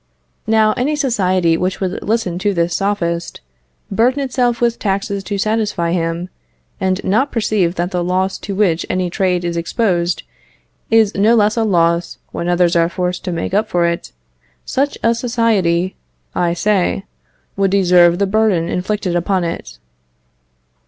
Now, any society which would listen to this sophist, burden itself with taxes to satisfy him, and not perceive that the loss to which any trade is exposed is no less a loss when others are forced to make up for it, such a society, I say, would deserve the burden inflicted upon it.